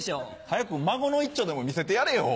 早く孫の１丁でも見せてやれよ。